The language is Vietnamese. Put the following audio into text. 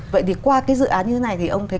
vậy thì qua cái dự án như thế này thì ông thấy